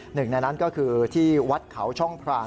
หนึ่งในนั้นก็คือที่วัดเขาช่องพราง